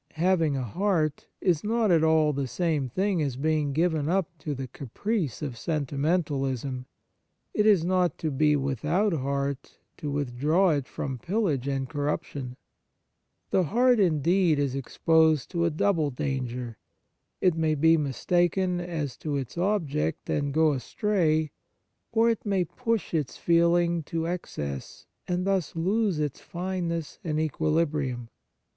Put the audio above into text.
Having a heart is not at all the same thing as being given up to the caprice of senti mentalism; it is not to be without heart to withdraw it from pillage and corruption. The heart, indeed, is exposed to a * Ecclus. vi. 14. 118 The Fruits of Piety double danger : it may be mistaken as to its object and go astray, or it may push its feeling to excess, and thus lose its fineness and equilibrium.